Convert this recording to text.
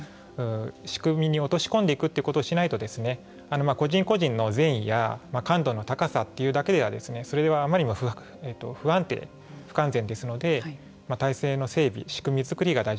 仕組みに落とし込んでいくということをしないと個人個人の善意や感度の高さというだけではそれではあまりにも不安定不完全ですので体制の整備